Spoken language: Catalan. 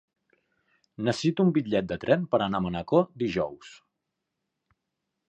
Necessito un bitllet de tren per anar a Manacor dijous.